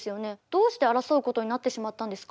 どうして争うことになってしまったんですか？